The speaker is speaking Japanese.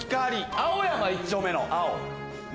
青山一丁目の「青」。